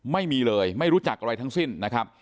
ไม่มีเลยไม่รู้จักอะไรทั้งสิ้นนะครับ